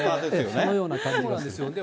そのような感じが。